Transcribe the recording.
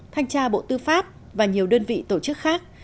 thanh tra bộ tư pháp và nhiều đơn vị tổ chức khác